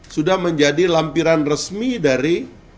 sudah menjadi lampiran resmi dari